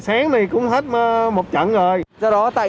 xin chào và hẹn gặp lại